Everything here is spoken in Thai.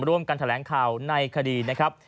ร่วมกันแถลงข่าวในคดีนะครับ